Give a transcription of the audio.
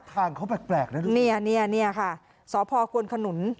ทางเขาแปลกนี่ค่ะสควรขนุน